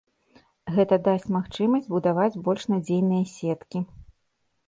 Гэта дасць магчымасць будаваць больш надзейныя сеткі.